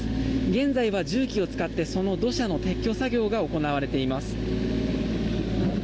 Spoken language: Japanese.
現在は重機を使ってその土砂の撤去作業が行われています。